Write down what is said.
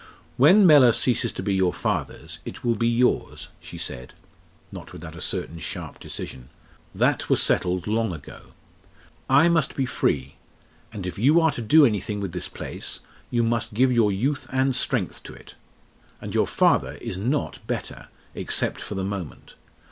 "When Mellor ceases to be your father's it will be yours," she said, not without a certain sharp decision; "that was settled long ago. I must be free and if you are to do anything with this place, you must give your youth and strength to it. And your father is not better except for the moment.